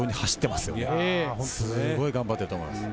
すごい頑張っていると思います。